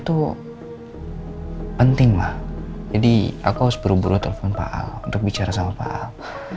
tuh penting mah jadi aku harus buru buru telepon pak al untuk bicara sama pak al